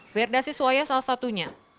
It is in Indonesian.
firda siswayo salah satunya